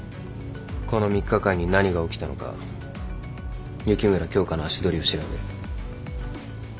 この３日間に何が起きたのか雪村京花の足取りを調べる。